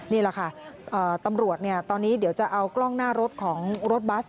นี่แหละค่ะตำรวจตอนนี้เดี๋ยวจะเอากล้องหน้ารถของรถบัส